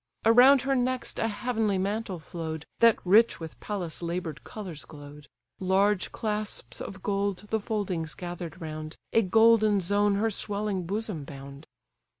Around her next a heavenly mantle flow'd, That rich with Pallas' labour'd colours glow'd: Large clasps of gold the foldings gather'd round, A golden zone her swelling bosom bound.